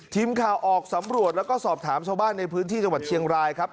ทีมข่าวออกสำรวจแล้วก็สอบถามชาวบ้านในพื้นที่จังหวัดเชียงรายครับ